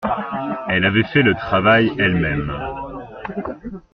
Elles avaient fait le travail elles-mêmes.